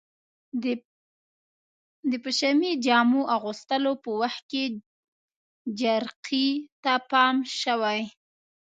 د پشمي جامو اغوستلو په وخت کې جرقې ته پام شوی؟